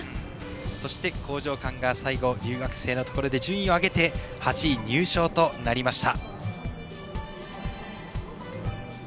そして興譲館が最後留学生のところで順位を上げて８位入賞でした。